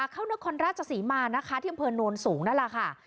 เข้าเนื้อคอนราชศรีมานะคะเที่ยวเผินนวลสูงนั่นแหละค่ะ